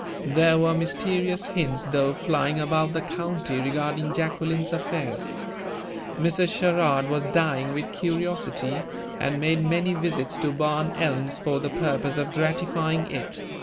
There were mysterious hints, though, flying about the county regarding Jacqueline's affairs. Mrs. Sherrard was dying with curiosity, and made many visits to Barn Elms for the purpose of gratifying it.